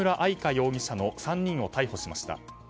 容疑者の３人を逮捕しました。